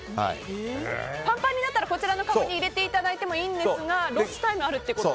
パンパンになったらこちらのかごに入れてもいいんですがロスタイムがあるということで。